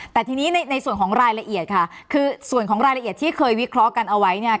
แต่ทีนี้ในส่วนของรายละเอียดค่ะคือส่วนของรายละเอียดที่เคยวิเคราะห์กันเอาไว้เนี่ย